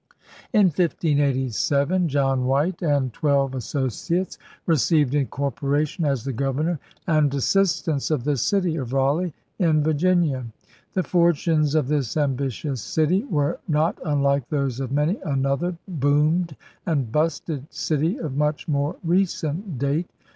In 1587 John White and^ THE VISION OF THE WEST 213 twelve associates received incorporation as the 'Governor and Assistants of the City of Ralegh in Virginia.' The fortunes of this ambitious city were not unlike those of many another 'boomed* and 'busted' city of much more recent date.